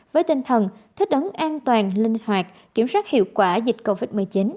với tinh thần thích ứng an toàn linh hoạt kiểm soát hiệu quả dịch covid một mươi chín